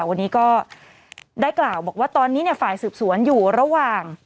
วันนี้ก็ได้กล่าวบอกว่าตอนนี้ฝ่ายสืบสวนอยู่ระหว่าง